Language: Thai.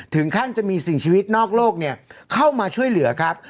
ถึงขั้นจะมีสิ่งชีวิตนอกโลกเข้ามาช่วยเหลือครับ